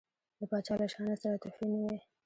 د پاچا له شانه سره تحفې نه وي.